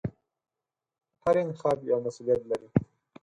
هر انتخاب یو مسوولیت لري.